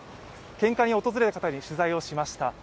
献花に訪れた人に取材をしました。